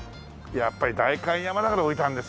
やっぱり代官山だから置いてあるんですよ。